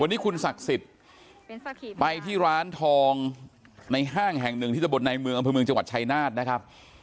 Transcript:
วันนี้คุณศักดิ์สิทธิ์ไปที่ร้านทองในห้างแห่งหนึ่งที่ตะบนในเมืองอำเภอเมืองจังหวัดชายนาฏนะครับ